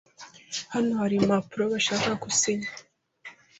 Hano hari impapuro bashaka ko usinya.